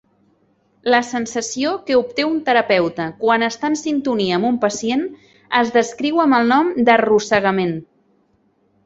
La sensació que obté un terapeuta quan estar en sintonia amb un pacient es descriu amb el nom d'"arrossegament".